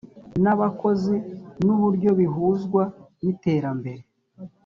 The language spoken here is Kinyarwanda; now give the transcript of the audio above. n abakozi n uburyo bihuzwa n iterambere